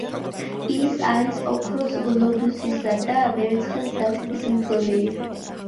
ის არის ოქროს გლობუსისა და ვერცხლის დათვის მფლობელი.